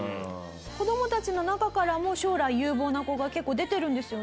子どもたちの中からも将来有望な子が結構出てるんですよね？